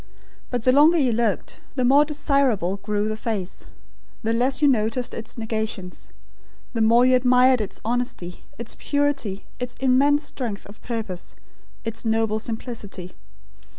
But the longer you looked, the more desirable grew the face; the less you noticed its negations; the more you admired its honesty, its purity, its immense strength of purpose; its noble simplicity.